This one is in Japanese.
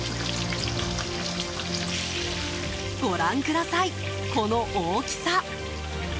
ご覧ください、この大きさ。